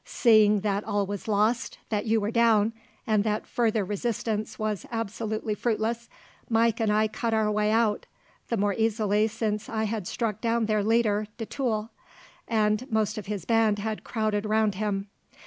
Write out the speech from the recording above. "Seeing that all was lost, that you were down, and that further resistance was absolutely fruitless, Mike and I cut our way out; the more easily since I had struck down their leader, de Tulle, and most of his band had crowded round him.